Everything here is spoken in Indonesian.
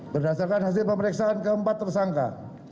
berdasarkan hasil pemeriksaan keempat tersangka